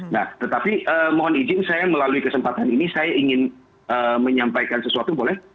nah tetapi mohon izin saya melalui kesempatan ini saya ingin menyampaikan sesuatu boleh